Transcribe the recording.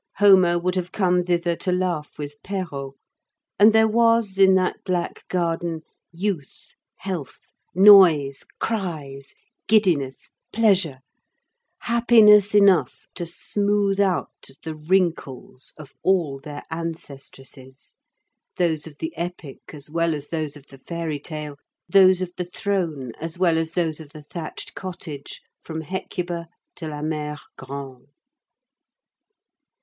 Homer would have come thither to laugh with Perrault; and there was in that black garden, youth, health, noise, cries, giddiness, pleasure, happiness enough to smooth out the wrinkles of all their ancestresses, those of the epic as well as those of the fairy tale, those of the throne as well as those of the thatched cottage from Hecuba to la Mère Grand.